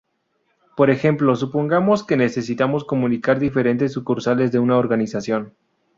Por ejemplo: Supongamos que necesitamos comunicar diferentes sucursales de una organización.